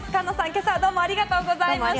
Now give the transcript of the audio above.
今朝はどうもありがとうございました。